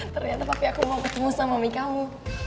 ternyata papi aku mau ketemu sama mami kamu